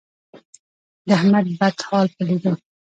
د احمد بد حال په لیدو،